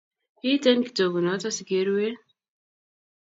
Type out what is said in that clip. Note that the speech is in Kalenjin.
Iiten kitoku noto sikeruen